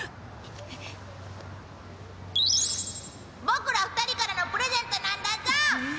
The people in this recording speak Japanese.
ボクら２人からのプレゼントなんだぞ！